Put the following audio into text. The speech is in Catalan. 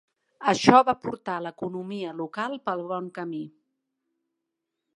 Això va portar l'economia local pel bon camí.